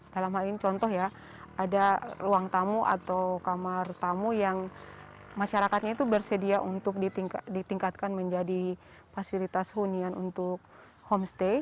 dalam hal ini contoh ya ada ruang tamu atau kamar tamu yang masyarakatnya itu bersedia untuk ditingkatkan menjadi fasilitas hunian untuk homestay